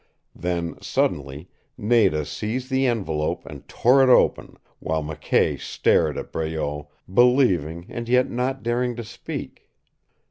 Then, suddenly, Nada seized the envelope and tore it open, while McKay stared at Breault, believing, and yet not daring to speak.